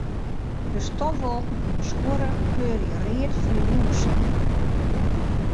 De stofwolken yn 'e skuorre kleuren read fan de jûnssinne.